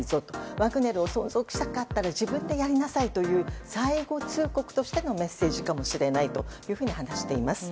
ワグネルを存続したかったら自分でやりなさいと最後通告としてのメッセージかもしれないと話しています。